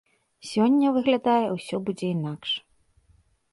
Сёння, выглядае, усё будзе інакш.